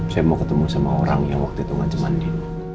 saya mau ketemu sama orang yang waktu itu gak cumanin